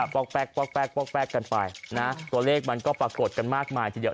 ป๊อกแป๊กป๊อกแป๊กป๊อกแป๊กกันไปนะตัวเลขมันก็ปรากฏกันมากมายทีเดียว